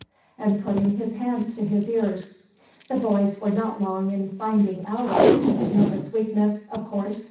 and putting his hands to his ears. The boys were not long in finding out this nervous weakness, of course.